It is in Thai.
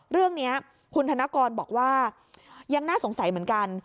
เรื่องนี้คุณธนกรบอกว่ายังน่าสงสัยเหมือนกัน